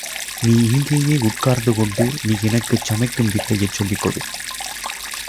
நீ இங்கேயே உட்கார்ந்து கொண்டு நீ எனக்குச் சமைக்கும் வித்தையைச் சொல்லிக் கொடு.